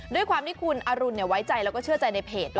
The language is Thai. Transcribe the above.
ด้วยความที่คุณอรุณไว้ใจแล้วก็เชื่อใจในเพจ